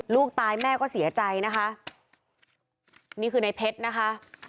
ลูกตายแม่ก็เสียใจนะคะนี่คือในเพชรนะคะ